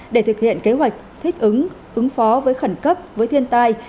để thực hiện kế hoạch thích ứng ứng phó với khẩn cấp với thiên tai